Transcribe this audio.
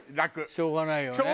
しょうがないよね。